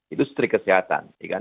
itu setrik kesehatan